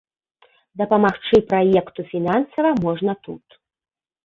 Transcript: Дапамагчы праекту фінансава можна тут.